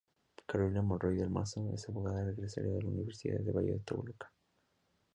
Carolina Monroy del Mazo es abogada egresada de la Universidad del Valle de Toluca.